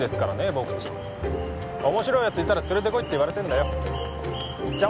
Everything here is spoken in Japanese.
僕ちん面白いやついたら連れてこいって言われてんだよじゃ